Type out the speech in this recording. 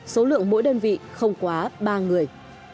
số lượng mỗi đơn vị không quá ba người